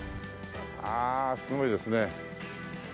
ああすごいですね。